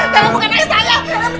kalau bukan anak saya